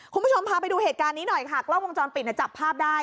คุณผู้ชมพาไปดูเหตุการณ์นี้หน่อยค่ะกล้องวงจรปิดเนี่ยจับภาพได้